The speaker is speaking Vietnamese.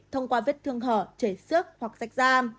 thông qua vết thương hở chảy xước hoặc sạch da